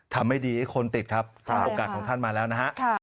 ไม่ดีให้คนติดครับโอกาสของท่านมาแล้วนะฮะ